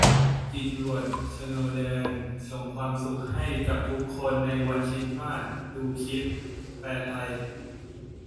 เอ็ดเวิร์ด สโนว์เดน ส่งความสุขให้กับทุกคนในวันคริสต์มาส - ดูคลิป : แปลไทย